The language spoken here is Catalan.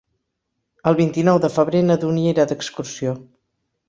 El vint-i-nou de febrer na Dúnia irà d'excursió.